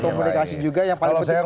komunikasi juga yang paling penting